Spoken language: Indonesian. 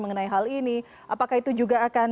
mengenai hal ini apakah itu juga akan